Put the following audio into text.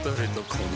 この